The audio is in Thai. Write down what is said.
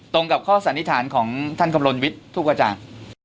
ตรงกับข้อสันนิษฐานของท่านกำลังวิทย์ทุกกว่าจ่าง